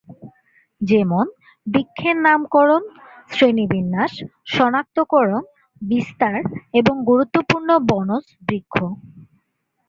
যেমনঃ বৃক্ষের নামকরণ, শ্রেণিবিন্যাস, সনাক্তকরণ, বিস্তার, এবং গুরুত্বপূর্ণ বনজ বৃক্ষ।